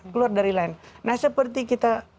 keluar dari lain nah seperti kita